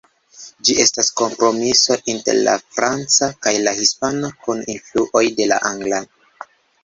Ĝi estas kompromiso inter la franca kaj la hispana kun influoj de la angla.